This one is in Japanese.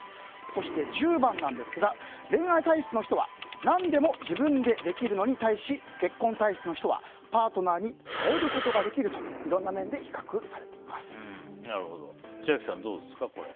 そして、１０番なんですが恋愛体質の人は何でも自分でできるのに対し結婚体質の人はパートナーに頼ることができると千秋さん、どうですか？